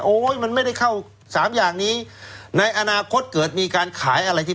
มันไม่ได้เข้าสามอย่างนี้ในอนาคตเกิดมีการขายอะไรที่